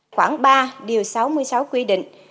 khoảng ba điều sáu mươi sáu quy định